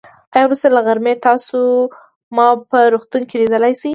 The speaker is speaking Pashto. آيا وروسته له غرمې تاسو ما په روغتون کې ليدای شئ.